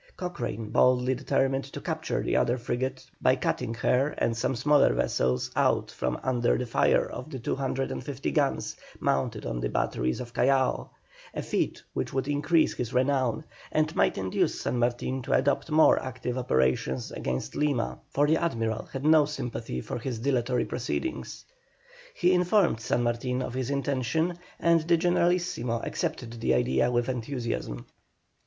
Cochrane boldly determined to capture the other frigate by cutting her and some smaller vessels out from under the fire of the 250 guns mounted on the batteries of Callao, a feat which would increase his renown, and might induce San Martin to adopt more active operations against Lima, for the Admiral had no sympathy for his dilatory proceedings. He informed San Martin of his intention, and the Generalissimo accepted the idea with enthusiasm.